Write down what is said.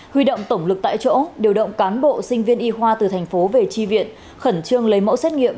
huy động tổng lực tại chỗ điều động cán bộ sinh viên y khoa từ thành phố về tri viện khẩn trương lấy mẫu xét nghiệm